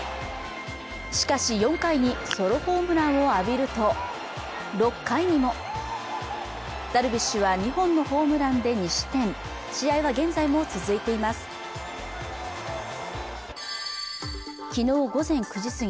しかし４回にソロホームランを浴びると６回にもダルビッシュは２本のホームランで２失点試合は現在も続いています